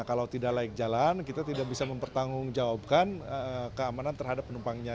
kalau tidak layak jalan kita tidak bisa mempertanggungjawabkan keamanan terhadap penumpangnya